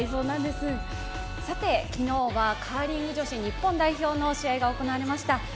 昨日はカーリング女子日本代表の試合が行われました。